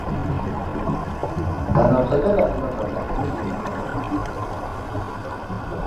لە ناوچەکەدا ئەمە بەرزترین ژمارەیە